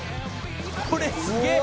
これすげえ！